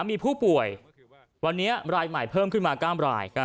มีผู้ป่วยวันนี้รายใหม่เพิ่มขึ้นมา๙ราย